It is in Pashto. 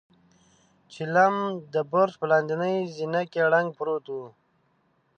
چيلم د برج په لاندنۍ زينه کې ړنګ پروت و.